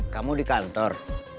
kamu di kantor